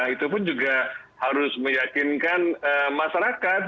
itu pun juga harus meyakinkan masyarakat